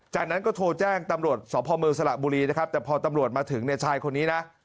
จากนั้นก็โทรแจ้งตำรวจสพเมืองสระบุรีนะครับแต่พอตำรวจมาถึงเนี่ยชายคนนี้นะ